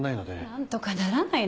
なんとかならないの？